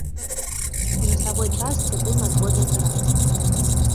У насавой частцы быў надводны таран.